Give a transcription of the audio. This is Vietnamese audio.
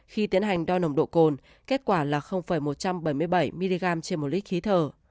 khi tiến hành đo nồng độ cồn kết quả là một trăm bảy mươi bảy mg trên một lít khí thở